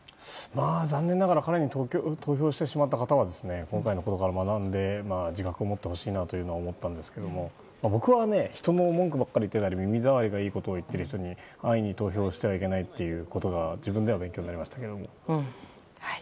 残念ながら彼に投票してしまった方は今回のことから学んで自覚を持ってほしいなって思ったんですけれども僕は人の文句ばっかり言って耳ざわりのいいことを言っている人に安易に投票してはいけないということが自分では勉強になりましたけども。